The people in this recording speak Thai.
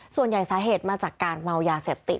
สาเหตุมาจากการเมายาเสพติด